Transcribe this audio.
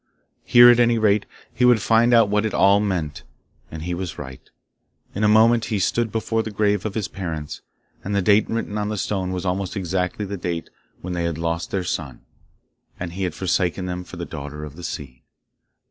Here at any rate he would find out what it all meant. And he was right. In a moment he stood before the grave of his parents, and the date written on the stone was almost exactly the date when they had lost their son, and he had forsaken them for the Daughter of the Sea.